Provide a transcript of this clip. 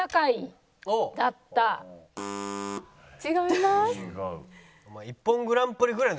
違います。